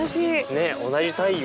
ねっ同じ太陽。